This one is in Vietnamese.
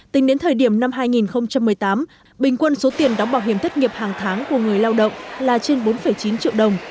tính đến thời điểm năm hai nghìn một mươi tám bình quân số tiền đóng bảo hiểm thất nghiệp hàng tháng của người lao động là trên bốn chín triệu đồng